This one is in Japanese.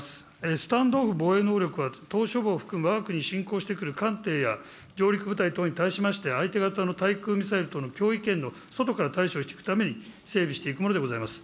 スタンド・オフ防衛能力は、島しょ部を含むわが国を侵攻してくる艦艇や上陸部隊等に対しまして相手方の対空ミサイルとの脅威圏の外から対処していくために整備していくものでございます。